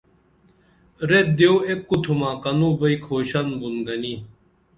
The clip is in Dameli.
ریت دیوایک کُوتھومہ کنُو بئی کھوشن بُن گنی